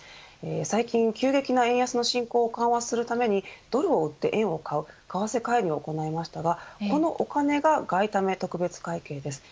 最近急激な円安の進行を緩和するためにドルを売って円を買う為替介入を行いましたがこのお金が外為特別会計です。